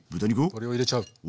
これを入れちゃう。